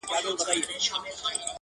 جهاني چي ما یې لار په سترګو فرش کړه-